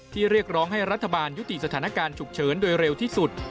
เรียกร้องให้รัฐบาลยุติสถานการณ์ฉุกเฉินโดยเร็วที่สุด